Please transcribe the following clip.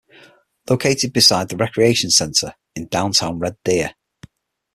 Located beside the Recreation Centre, in downtown Red Deer.